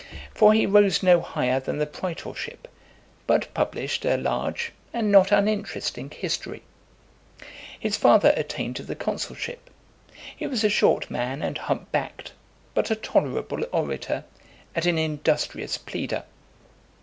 For he rose no higher than the praetorship, but published a large and not uninteresting history. His father attained to the consulship : he was a short man and hump backed, but a tolerable orator, and an industrious pleader.